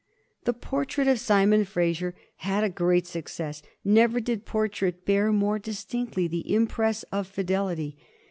The portrait of Simon Eraser had a great success. Never did portrait bear more distinctly the impress of fidelity.